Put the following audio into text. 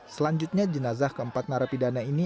selanjutnya jenazah keempat narapidana ini